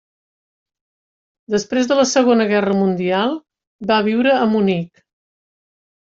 Després de la Segona Guerra Mundial, va viure a Munic.